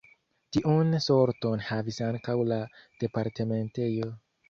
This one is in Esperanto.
Tiun sorton havis ankaŭ la departementejo.